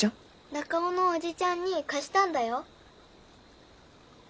中尾のおじちゃんに貸したんだよ。